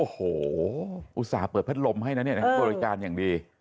โอ้โหอุตส่าห์เปิดพัดลมให้นะเนี่ยนะบริการอย่างดี